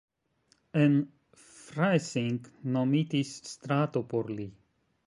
En Freising nomitis strato por li.